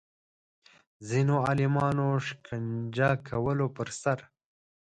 ځینو عالمانو شکنجه کولو پر سر